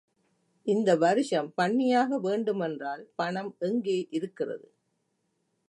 இந்த வருஷம் பண்ணியாக வேண்டுமென்றால் பணம் எங்கே இருக்கிறது?